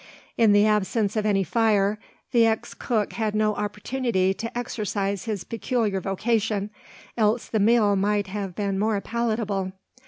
In the absence of any fire, the ex cook had no opportunity to exercise his peculiar vocation, else the meal might have been more palatable.